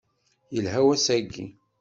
Yelha wass-aki.